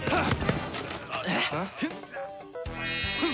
えっ？